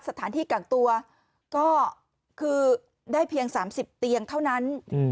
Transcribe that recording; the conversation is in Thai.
สถานที่กักตัวก็คือได้เพียง๓๐เตียงเท่านั้น